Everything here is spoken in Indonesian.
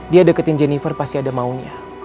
dia deketin jennifer pasti ada maunya